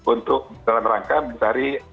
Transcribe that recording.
untuk dalam rangka mencari